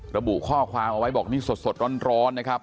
ระบุข้อความเอาไว้บอกนี่สดร้อนนะครับ